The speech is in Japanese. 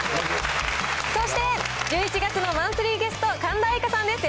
そして１１月のマンスリーゲスト、神田愛花さんです。